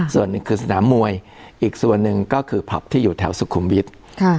ส่วนหนึ่งคือสนามมวยอีกส่วนหนึ่งก็คือผับที่อยู่แถวสุขุมวิทย์